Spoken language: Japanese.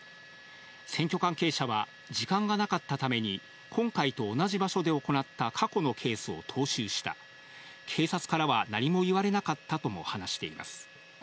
選挙関係者は、時間がなかったために、今回と同じ場所で行った過去のケースを踏襲した、警察からは何も言われなかったとも話しています。